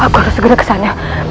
apa harus segera ke sana